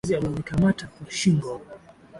Mwizi alinikamata kwa shingo